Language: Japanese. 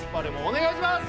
お願いします